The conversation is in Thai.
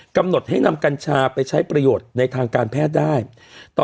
กำหนดให้นำกัญชาไปใช้ประโยชน์ในทางการแพทย์ได้ต่อ